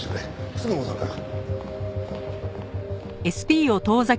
すぐ戻るから。